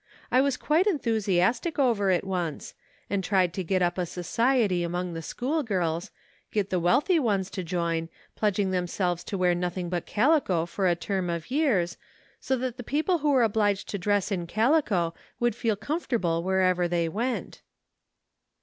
I was quite enthusiastic over it once, and tried to get up a society among the schoolgirls, get the M^ealthy ones to join, pledging themselves to wear noth ing but calico for a term of years, so that the people who were obliged to dress in calico would feel comfortable wherever they went."